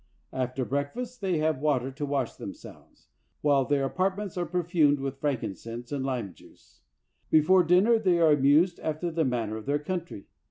After break fast they have water to wash themselves, while their apartments are perfumed with frankin cense and lime juice. Before dinner they are amused after the manner of their country.